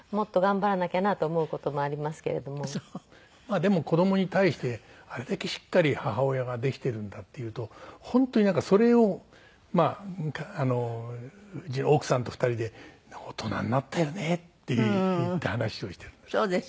でも子供に対してあれだけしっかり母親ができているんだっていうと本当にそれを奥さんと２人で「大人になったよね」っていって話をしているんです。